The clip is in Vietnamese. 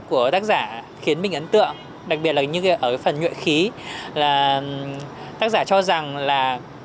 của tác giả khiến mình ấn tượng đặc biệt là như ở phần nhuệ khí là tác giả cho rằng là